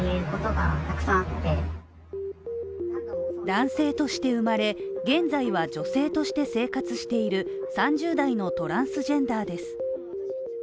男性として生まれ、現在は女性として生活している３０代のトランスジェンダーです。